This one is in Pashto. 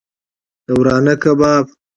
د ورانه کباب